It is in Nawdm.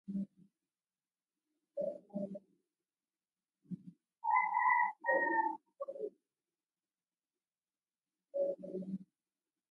Duna bindee ma koli yirma laa tira.